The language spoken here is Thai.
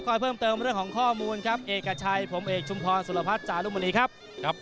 ขอเพิ่มกันเรื่องของข้อมูลครับเอกอาชายผมเอกชุมพรสุรพัทธ์จ๋าลุทธมศิริครับ